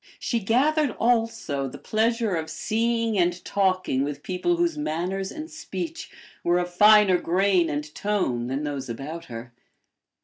She gathered also the pleasure of seeing and talking with people whose manners and speech were of finer grain and tone than those about her.